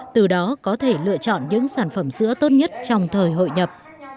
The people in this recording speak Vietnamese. từ đó có thể lựa chọn những sản phẩm sữa tốt nhất trong thời hội nhập